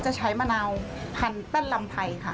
จะใช้มะนาวพันธุ์ตั้นลำไทยค่ะ